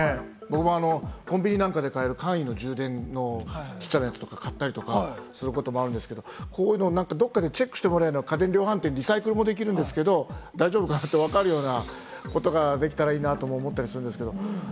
コンビニなんかで買える簡易の充電のやつとか、ちっちゃいやつ買ったりすることがあるんですけど、どこかでチェックしてもらえるような、家電量販店、リサイクルもできるけれども、大丈夫かって分かるようなことができたらいいなと思ったりするんですけど。